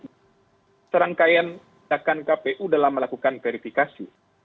dan kewenangan serangkaian dakan kpu dalam melakukan verifikasi